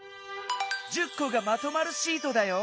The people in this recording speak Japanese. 「１０こがまとまるシート」だよ。